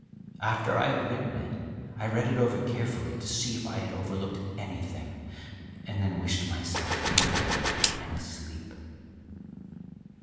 After I had written it I read it over carefully to see if I had overlooked anything, and then wished myself in bed and asleep.